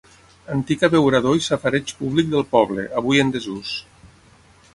Antic abeurador i safareig públic del poble, avui en desús.